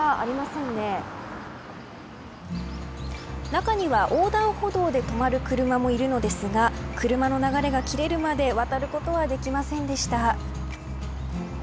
中には横断歩道で止まる車もいるのですが車の流れが切れるまで渡ることはできませんでした。